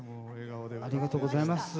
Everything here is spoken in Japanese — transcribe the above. ありがとうございます。